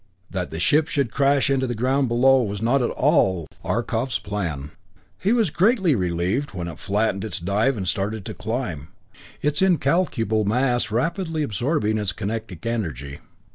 That the ship should crash into the ground below was not at all Arcot's plan, and he was greatly relieved when it flattened its dive and started to climb, its incalculable mass rapidly absorbing its kinetic energy.